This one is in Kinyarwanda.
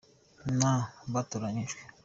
na ; batoranyijwe